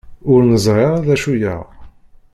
Ur neẓri ara d acu-yaɣ.